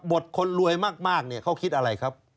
คนรวยมากเนี่ยเขาคิดอะไรครับ